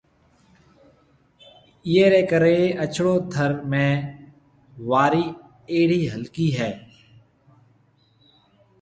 ايئيَ رَي ڪرَي اڇڙو ٿر ۾ وارِي اھڙِي ھلڪِي ھيََََ